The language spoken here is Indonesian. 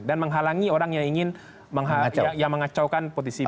dan menghalangi orang yang ingin mengacaukan potensi bentrok ini